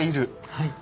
はい。